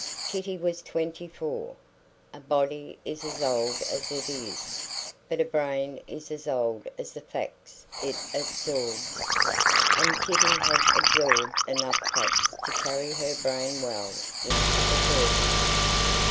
Kitty was twenty four. A body is as old as it is, but a brain is as old as the facts it absorbs; and Kitty had absorbed enough facts to carry her brain well into the thirties.